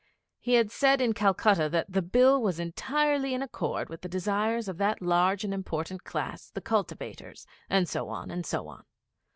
He had said in Calcutta that 'the Bill was entirely in accord with the desires of that large and important class, the cultivators'; and so on, and so on.